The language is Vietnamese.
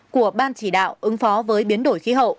công đoàn chỉ đạo ứng phó với biến đổi khí hậu